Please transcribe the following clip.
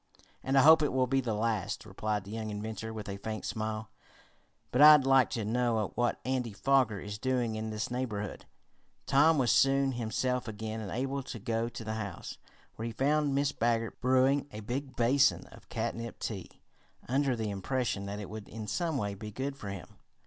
"And I hope it will be the last," replied the young inventor with a faint smile. "But I'd like to know what Andy Foger is doing in this neighborhood." Tom was soon himself again and able to go to the house, where he found Mrs. Baggert brewing a big basin of catnip tea, under the impression that it would in some way be good for him.